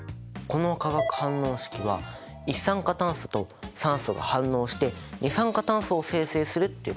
この化学反応式は一酸化炭素と酸素が反応して二酸化炭素を生成するっていうことだよね。